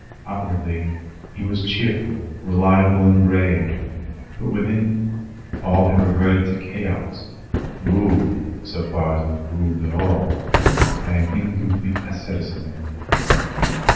Outwardly he was cheerful, reliable, and brave; but within, all had reverted to chaos, ruled, so far as it was ruled at all, by an incomplete asceticism.